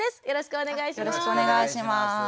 よろしくお願いします。